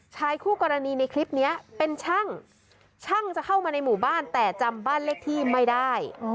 ชายคู่กรณีในคลิปนี้เป็นช่างช่างจะเข้ามาในหมู่บ้านแต่จำบ้านเลขที่ไม่ได้